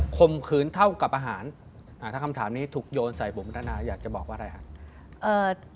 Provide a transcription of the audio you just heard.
มขืนเท่ากับอาหารถ้าคำถามนี้ถูกโยนใส่ผมพัฒนาอยากจะบอกว่าอะไรครับ